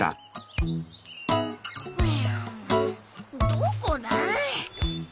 どこだあ。